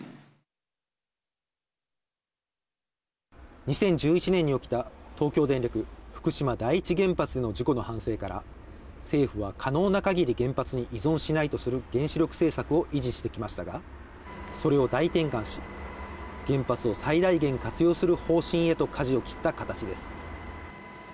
２０１１年に起きた東京電力・福島第一原発事故の反省から、政府は可能な限り原発に依存しないとする原子力政策を維持してきましたが、それを大転換し、原発を最大限活用する方針へかじを切った形です。